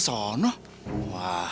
udah ketawa saya kalau dia bikin martabak